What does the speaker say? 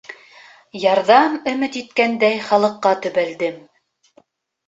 Ярҙам өмөт иткәндәй халыҡҡа төбәлдем.